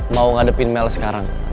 mau ngadepin mel sekarang